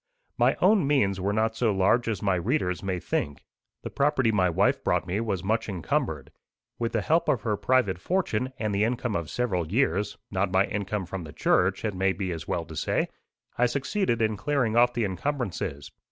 My own means were not so large as my readers may think. The property my wife brought me was much encumbered. With the help of her private fortune, and the income of several years (not my income from the church, it may be as well to say), I succeeded in clearing off the encumbrances.